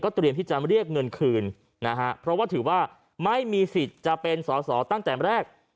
เตรียมที่จะเรียกเงินคืนนะฮะเพราะว่าถือว่าไม่มีสิทธิ์จะเป็นสอสอตั้งแต่แรก